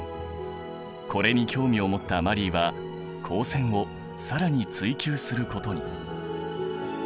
これに興味を持ったマリーは光線を更に追究することに。